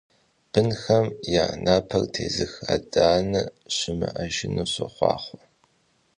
Бынхэм я напэр тезых адэ-анэ щымыӀэжыну сохъуахъуэ!